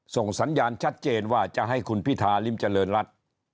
ส่งสัญญาณชัดเจนว่าจะให้คุณพิธาริมเจริญรัฐ